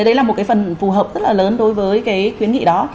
đấy là một cái phần phù hợp rất là lớn đối với cái khuyến nghị đó